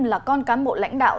là con cán bộ lãnh đạo